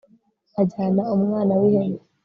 ajyana umwana w'ihene